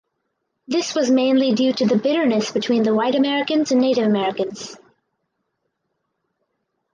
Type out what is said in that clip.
This was mainly due to the bitterness between the White Americans and Native Americans.